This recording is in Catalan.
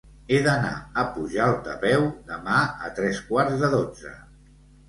He d'anar a Pujalt a peu demà a tres quarts de dotze.